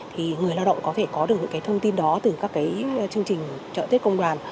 thì người lao động có thể có được những cái thông tin đó từ các chương trình chợ tết công đoàn